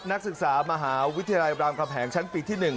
นักศึกษามหาวิทยาลัยรามคำแหงชั้นปีที่๑